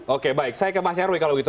oke baik saya ke mas yarwi kalau gitu